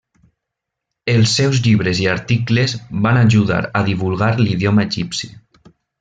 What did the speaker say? Els seus llibres i articles van ajudar a divulgar l'idioma egipci.